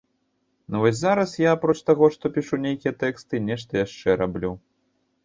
Ну вось зараз я апроч таго, што пішу нейкія тэксты, нешта яшчэ раблю.